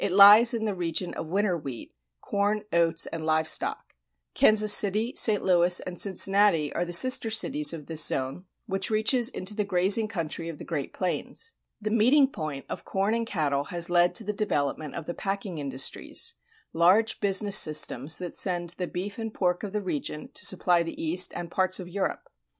It lies in the region of winter wheat, corn, oats, and live stock. Kansas City, St. Louis, and Cincinnati are the sister cities of this zone, which reaches into the grazing country of the Great Plains. The meeting point of corn and cattle has led to the development of the packing industries, large business systems that send the beef and pork of the region to supply the East and parts of Europe.